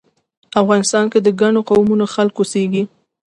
افغانستان کې د ګڼو قومونو خلک اوسیږی